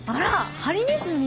ハリネズミ？